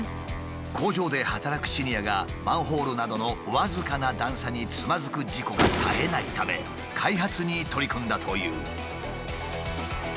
工場で働くシニアがマンホールなどの僅かな段差につまずく事故が絶えないため開発に取り組んだという。